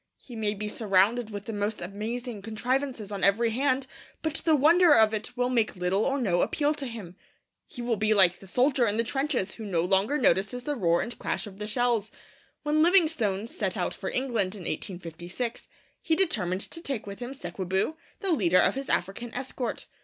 He may be surrounded with the most amazing contrivances on every hand, but the wonder of it will make little or no appeal to him. He will be like the soldier in the trenches who no longer notices the roar and crash of the shells. When Livingstone set out for England in 1856, he determined to take with him Sekwebu, the leader of his African escort.